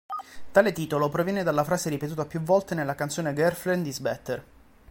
Tale titolo proviene dalla frase ripetuta più volte nella canzone "Girlfriend is Better".